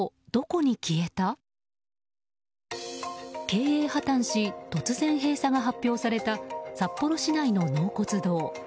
経営破綻し突然、閉鎖が発表された札幌市内の納骨堂。